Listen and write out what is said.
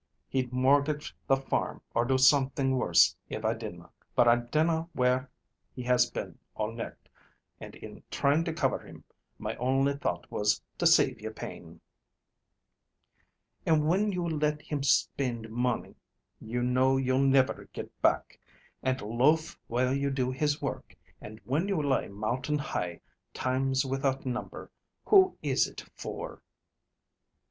He'd mortgage the farm, or do something worse if I didna; but I dinna WHERE he has been all nicht, and in trying to cover him, my only thought was to save ye pain." "And whin you let him spind money you know you'll never get back, and loaf while you do his work, and when you lie mountain high, times without number, who is it for?"